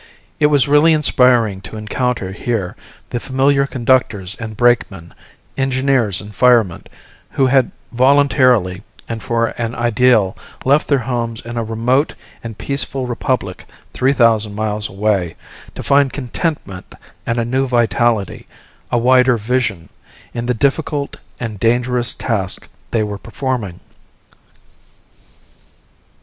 It was really inspiring to encounter here the familiar conductors and brakemen, engineers and firemen, who had voluntarily, and for an ideal, left their homes in a remote and peaceful republic three thousand miles away, to find contentment and a new vitality, a wider vision, in the difficult and dangerous task they were performing.